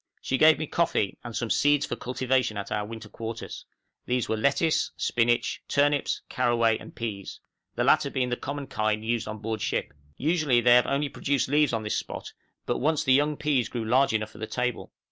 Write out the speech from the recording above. She gave me coffee, and some seeds for cultivation at our winter quarters; these were lettuce, spinach, turnips, caraway and peas, the latter being the common kind used on board ship; usually they have only produced leaves on this spot, but once the young peas grew large enough for the table.